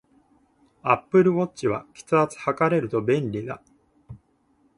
アップルウォッチは、血圧測れると便利だ